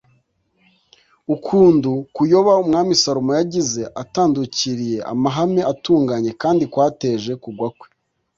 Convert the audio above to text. ukundu kuyoba umwami salomo yagize atandukiriye amahame atunganye kandi kwateje kugwa kwe